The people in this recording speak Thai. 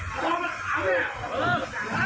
สวัสดีครับคุณผู้ชาย